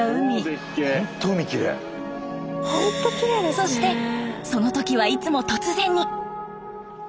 そしてその時はいつも突然に！